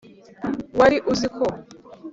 wari uziko